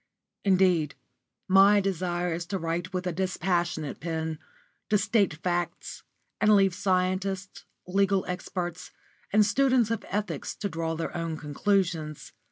Indeed, my desire is to write with a dispassionate pen, to state facts, and leave scientists, legal experts, and students of ethics to draw their own conclusions.